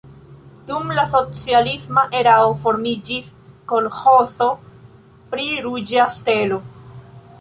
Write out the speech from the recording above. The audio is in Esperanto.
Dum la socialisma erao formiĝis kolĥozo pri Ruĝa Stelo.